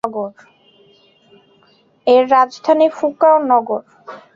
এর রাজধানী ফুকুওকা নগর।